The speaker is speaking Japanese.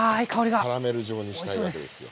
キャラメル状にしたいわけですよ。